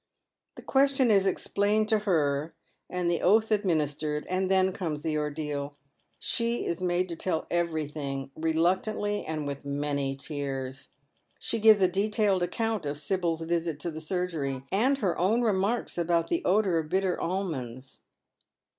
The question is explained to her, and the oath administered, and then comes the ordeal. She is made to tell everything, re Inctantlj' and with many tears. She gives a detailed account of Sibyl's visit to the surgery, and her own remarks about the oiour of bitter almonds.